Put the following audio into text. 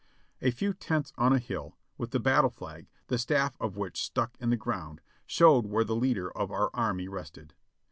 A few tents on a hill, with the battle flag, the staff of which stuck in the ground, showed where the leader of our army rested.